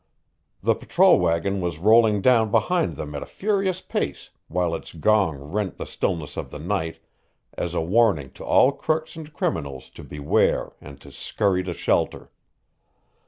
The patrol wagon was rolling down behind them at a furious pace while its gong rent the stillness of the night as a warning to all crooks and criminals to beware and to scurry to shelter.